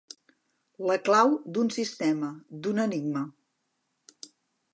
La clau d'un sistema, d'un enigma.